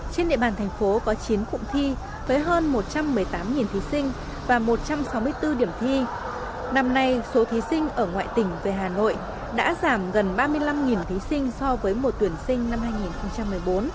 trên địa bàn thành phố có chín cụm thi với hơn một trăm một mươi tám thí sinh và một trăm sáu mươi bốn điểm thi năm nay số thí sinh ở ngoại tỉnh về hà nội đã giảm gần ba mươi năm thí sinh so với mùa tuyển sinh năm hai nghìn một mươi bốn